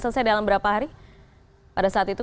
selesai dalam berapa hari pada saat itu